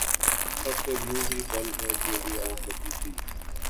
تھک کر یوں ہی پل بھر کے لیے آنکھ لگی تھی